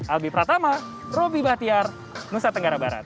albi pratama robby bahtiar nusa tenggara barat